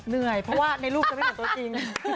เหนื่อยเพราะว่าในรูปจะไม่เหมือนตัวจริง